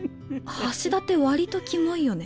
橋田って割ときもいよね。